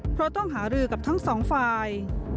เพราะต้องหารือกับทั้งสองฝ่าย